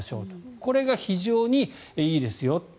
これが非常にいいですよ。